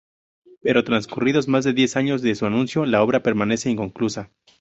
Pero, transcurridos más de diez años de su anuncio, la obra permanece inconclusa.